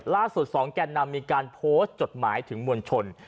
๒แก่นำมีการโพสต์จดหมายถึงมวลชน